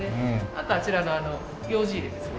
あとあちらの楊枝入れですね。